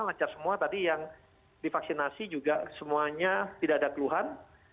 lancar semua tadi yang divaksinasi juga semuanya tidak ada keluhan